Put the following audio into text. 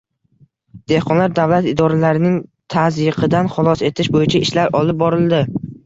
Dehqonlar davlat idoralarining tazyiqidan xalos etish bo‘yicha ishlar olib borildi